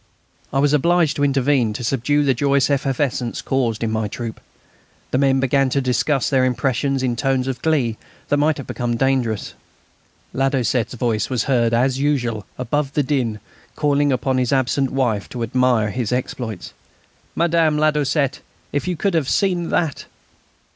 I was obliged to intervene to subdue the joyous effervescence caused in my troop. The men began to discuss their impressions in tones of glee that might have become dangerous. Ladoucette's voice was heard, as usual, above the din, calling upon his absent wife to admire his exploits: "Madame Ladoucette, if you could have seen that!"